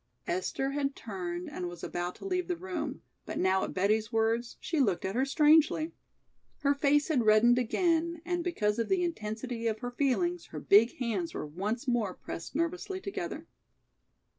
Esther had turned and was about to leave the room, but now at Betty's words, she looked at her strangely. Her face had reddened again and because of the intensity of her feelings her big hands were once more pressed nervously together.